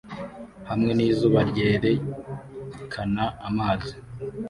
Hamwe n'izuba ryerekana amazi